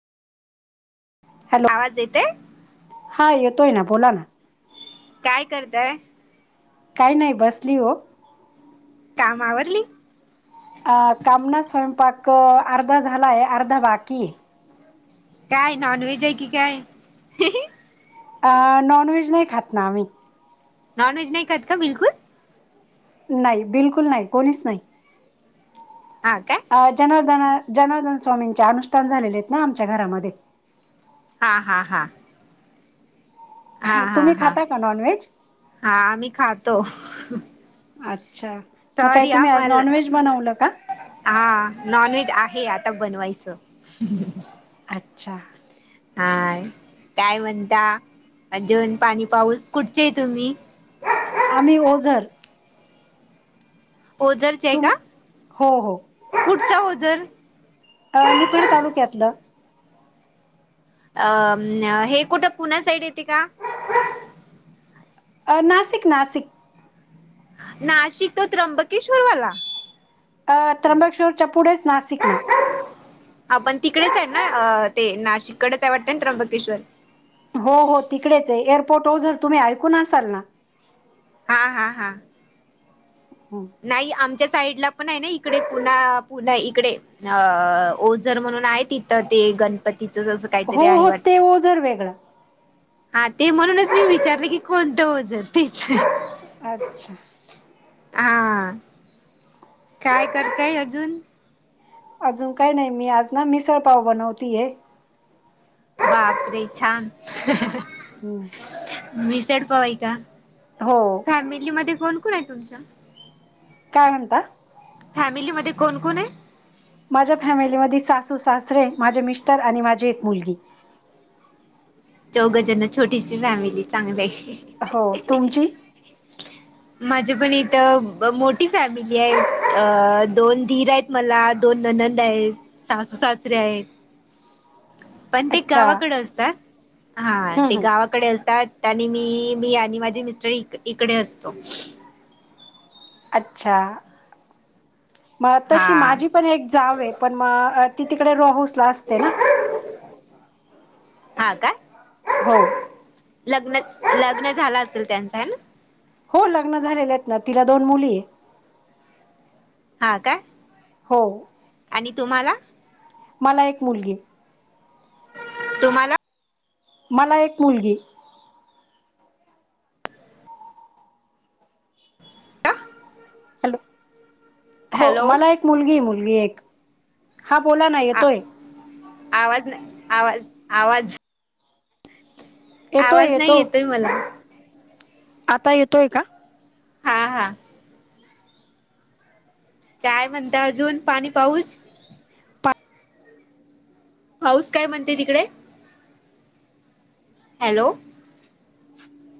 Hello आवाज येतोय? हा येतोय ना. बोला ना. काय करताय? काही नाही बसलीय ओ. कामआवरली? अं काम नां? स्वयंपाक अर्धा झालाय अर्धा बाकीय. काय नॉन व्हेज ए की काय? हेही अं... नॉनवेज नाई खात नां आम्ही नॉन व्हेज नाई खात का बिलकुल? नाई... बिलकुल नाई... कोणीच नाई हां काय? आं... जनार्दन... जनार्दन स्वामींचे अनुष्ठान झालेले हेत ना आमच्या घरांमध्ये हां हां हां हां हां... तुम्ही हां खाता का नॉनव्हेज हां आम्ही खातो अच्छा.. मग काय, सॉरी तुम्ही आज नॉनव्हेज बनवलं का? हां... नॉन व्हेज आहे.. आता बनवायचं अच्छा हाय... काय म्हणता... अजून पाणी पाऊस, कुठचे ए तुम्ही? आम्ही ओझर ओझरचे तुम का... हो हो कुठलं ओझर? अ... निफाड तालुक्यातलं अ... हे कुठं पुण्या साईड येतं का? अ... नासिक... नासिक नाशिक तो त्र्यंबकेश्वरवाला? अ... त्र्यंबकेश्वरच्या पुढेच नासिक ना हा... पण तिकडेच ए ना... ते नाशिककडे त्या वाटेनं त्र्यंबकेश्वर हो हो... तिकडेच ए... एअरपोर्ट ओझर... तुम्ही ऐकून असाल ना हा हा हा हम्म नाई... आमच्या साईडला पण है ना, इकडे... पुणा... पुण्या... इकडे अं... ओझर म्हणून आहे तिथं... ते गणपतीचं जसं हो काहीतरी आहे हो वाट ते ओझर वेगळं हां... ते म्हणूनच मी विचारलं की, कोणतं ओझर... तेच अच्छा आ काय करताय अजून अजून काय नाई.. मी आज ना.. मिसळपाव बनवती ए बाप रे... छान... मिसडपाव हाय का? हो फॅमिली मध्ये कोण कोण ए तुमच्या काय म्हणता? फॅमिलीमध्ये कोण कोण ए? माझ्या फॅमिलीमध्ये, सासू सासरे, माझे मिस्टर आणि माझी एक मुलगी चौघं जणं... छोटीशी फॅमिली चांगलं ए हो... तुमची? [unintelligible] माझी पण इथं.. अ.... मोठी फॅमिली ए... अ.. दोन दिर एत मला दोन ननंद हेत, सासू सासरे आहेत पण ते अच्छा हम्म गावाकडं असतात हा ते हम्म गावाकडे असतात... आणि मी... मी आणि माझी मिस्टर इकडे असतो अच्छा मग हा तशी.. माझी पण एक जाव ए... पण.. अ.. ती तिकडे रोहाऊसला असते ना हा का? हो. लग्न.. लग्न झालं असेल त्याचं.. है ना? हो... लग्न झालेलं हेत ना... तिला दोन मुली ए हा काय? हो आणि तुम्हाला? मला एक मुलगी. तुम्हाला मला एक मुलगी. अता हॅलो हो हॅलो मला एक मुलगी मुलगी एक हा बोला नाही आ येतोय. आवाज आवाज आवाज. येतोय आवाज नाही येतो येतोय मला. आता येतोय का? हा हा. काय म्हणता अजून पाणी पाऊस? पाऊस काय म्हणते तिकडे? हॅलो!